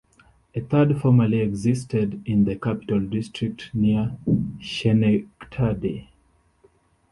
A third formerly existed in the Capital District near Schenectady.